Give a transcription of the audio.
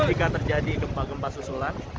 jika terjadi gempa gempa susulan